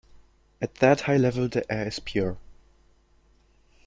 At that high level the air is pure.